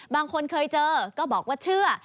บางคนเคยเจอก็บอกว่าเชื่อ